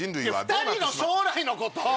２人の将来のこと。